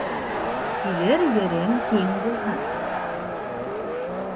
Килер ерең киң булһын.